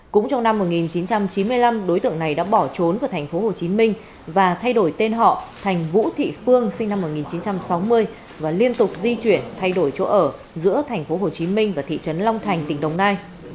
cũng trong năm một nghìn chín trăm chín mươi năm đối tượng này đã bỏ trốn vào tp hcm và thay đổi tên họ thành vũ thị phương sinh năm một nghìn chín trăm sáu mươi và liên tục di chuyển thay đổi chỗ ở giữa tp hcm và thị trấn long thành tỉnh đồng nai